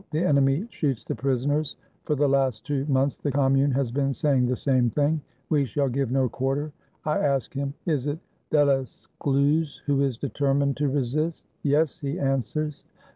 The enemy shoots the prisoners." (For the last two months the Commune had been saying the same thing.) "We shall give no quarter." — I ask him, "Is it Delescluze who is determined to resist?" — "Yes," he answers.